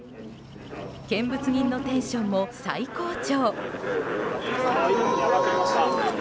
見物人のテンションも最高潮。